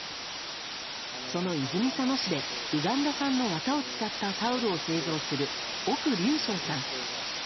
その泉佐野市でウガンダ産の綿を使ったタオルを製造する奥龍将さん。